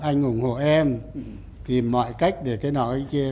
anh ủng hộ em tìm mọi cách để cái nọ cái kia